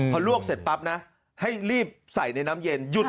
พอลวกเสร็จปั๊บนะให้รีบใส่ในน้ำเย็นหยุด